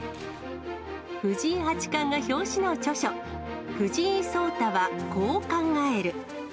藤井八冠が表紙の著書、藤井聡太は、こう考える。